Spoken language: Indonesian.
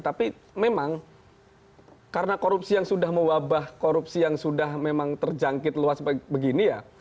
tapi memang karena korupsi yang sudah mewabah korupsi yang sudah memang terjangkit luas begini ya